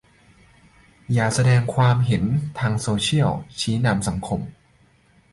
อย่าแสดงความเห็นทางโซเชียล ชี้นำสังคม